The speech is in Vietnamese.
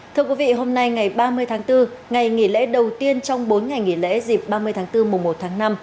thưa quý vị hôm nay ngày ba mươi tháng bốn ngày nghỉ lễ đầu tiên trong bốn ngày nghỉ lễ dịp ba mươi tháng bốn mùa một tháng năm